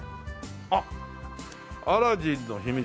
あっ「アラジンの秘密」。